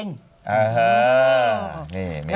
เนี่ย